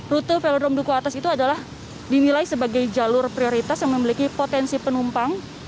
rute velodrome duku atas itu adalah dinilai sebagai jalur prioritas yang memiliki potensi penumpang